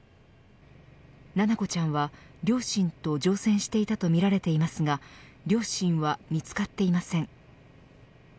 七菜子ちゃんは両親と乗船していたとみられますが両親は見つかっていません。